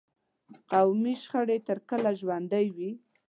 قومي شخړې تر کله ژوندي وي.